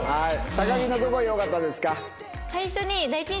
高木のどこがよかったですか？